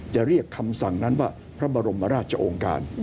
เรียกคำสั่งนั้นว่าพระบรมราชองค์การ